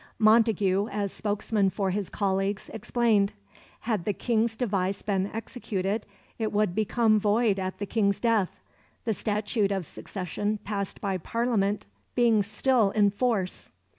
Montagu, as spokesman for his colleagues, explained. Had the King's device been executed it would become void at the King's death, the Statute of Succession passed by Parliament being still in force.